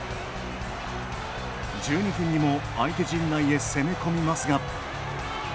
１２分にも相手陣内へ攻め込みますが。